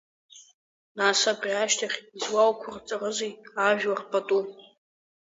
Нас абри ашьҭахь излауқәырҵарызеи ажәлар пату!